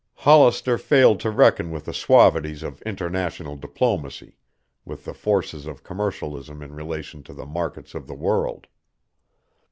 Hollister failed to reckon with the suavities of international diplomacy, with the forces of commercialism in relation to the markets of the world.